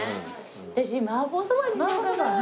私麻婆そばにしようかな。